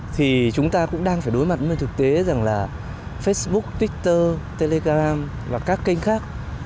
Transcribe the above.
thì chúng ta cũng đang phải đối mặt với thực tế rằng là facebook twitter telegram và các kênh khác